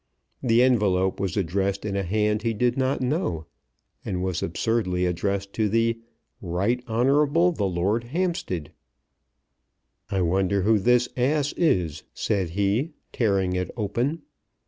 The envelope was addressed in a hand he did not know, and was absurdly addressed to the "RIGHT HONOURABLE, THE LORD HAMPSTEAD." "I wonder who this ass is," said he, tearing it open.